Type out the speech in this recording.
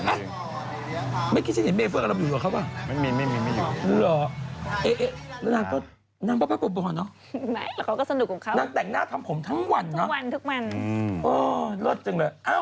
โอ้เลิศจริงเลยเอ้าใหม่ดาวิกาดีกว่า